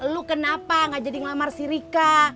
lu kenapa gak jadi ngelamar si rika